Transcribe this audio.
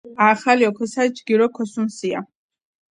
ახალი ოქოსალი ჯგირო ქოსჷნცია